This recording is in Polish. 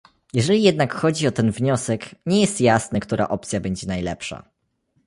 Jeżeli jednak chodzi o ten wniosek, nie jest jasne, która opcja będzie najlepsza